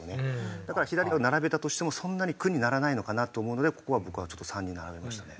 だから左を並べたとしてもそんなに苦にならないのかなと思うのでここは僕はちょっと３人並べましたね。